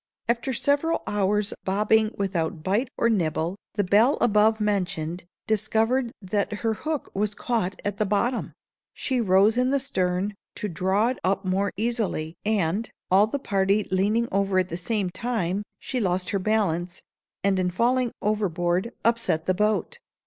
After several hours' bobbing, without bite or nibble, the belle above mentioned discovered that her hook was caught at the bottom. She rose in the stern, to draw it up more easily, and, all the party leaning over at the same time, she lost her balance, and, in falling overboard, upset the boat.